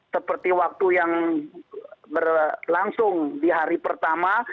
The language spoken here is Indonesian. seperti waktu yang berlangsung di hari pertama